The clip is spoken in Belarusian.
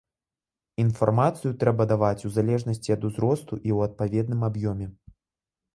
Інфармацыю трэба даваць у залежнасці ад узросту і ў адпаведным аб'ёме.